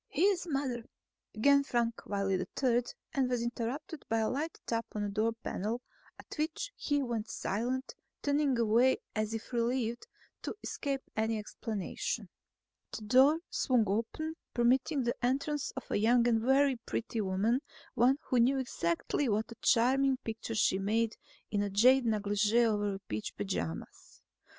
"His mother," began Frank Wiley III and was interrupted by a light tap on the door panel, at which he went silent, turning away as if relieved to escape any explanation. The door swung open, permitting the entrance of a young and very pretty woman, one who knew exactly what a charming picture she made in jade negligee over peach pajamas.